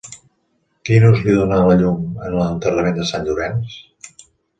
Quin ús li dona a la llum en l'Enterrament de sant Llorenç?